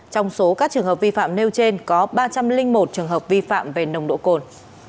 trong số các trường hợp vi phạm nêu trên có ba trăm linh một trường hợp vi phạm về nồng độ cồn